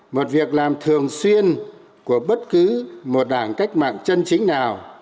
một việc làm thường xuyên của bất cứ một đảng cách mạng chân chính nào